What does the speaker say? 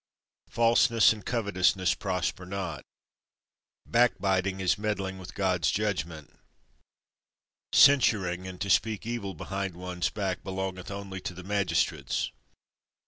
Falseness and covetousness prosper not. Backbiting is meddling with God's judgment. Censuring, and to speak evil behind one's back, belongeth only to the magistrates.